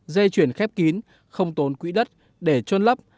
dây chuyển khép kín không tốn quỹ đất để trôn lấp